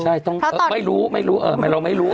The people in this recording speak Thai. ใช่ต้องไม่รู้ไม่รู้เราไม่รู้